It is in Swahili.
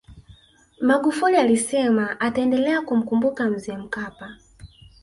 magufuli alisema ataendelea kumkumbuka mzee mkapa